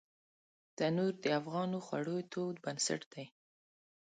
تنور د افغانو خوړو تود بنسټ دی